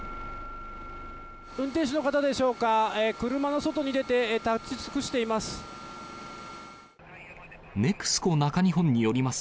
運転手の方でしょうか、車の外に出て、立ち尽くしています。